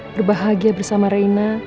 berbahagia bersama reina